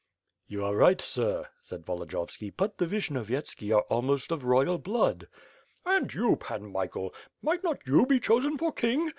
'' "You are right, sir," said Volodiyovski, "but the Vishny ovyetski are almost of royal blood." "And you, Pan Michael, might not you be chosen for king?